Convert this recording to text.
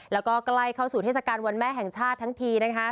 แล้วก็ใกล้เข้าสู่เทศกาลวันแม่แห่งชาติทั้งทีนะคะ